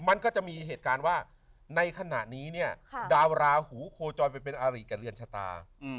มันก็จะมีเหตุการณ์ว่าในขณะนี้เนี่ยดาวราหูโคจรไปเป็นอาริกับเรือนชะตา